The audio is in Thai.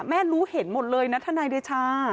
รู้เห็นหมดเลยนะทนายเดชา